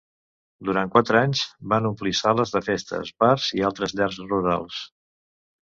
Durant quatre anys, van omplir sales de festes, bars i altres llars rurals.